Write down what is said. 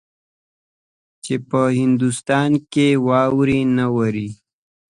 چې په هندوستان کې واوره نه اوري.